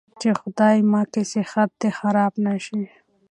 چې خدايه مکې صحت دې خراب نه شي.